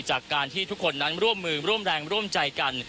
จากการที่ทุกคนนั้นร่วมมือร่วมแรงร่วมใจกัน